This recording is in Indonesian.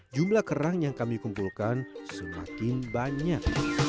jumlah kerang yang kami kumpulkan semakin banyak